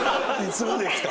そうですか？